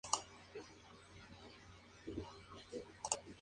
El servicio funcionaba solo los domingos.